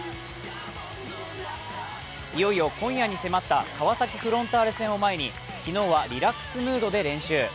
いよいよ今夜に迫った川崎フロンターレ戦を前に昨日はリラックスムードで練習。